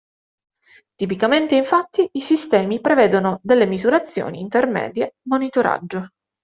Tipicamente, infatti, i sistemi prevedono delle misurazioni intermedie (monitoraggio).